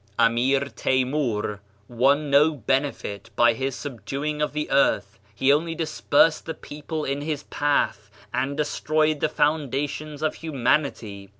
Ameer Taimoor won no benefit by his subduing of the earth; he only dispersed the people in his path and destroyed the foundations of humanity.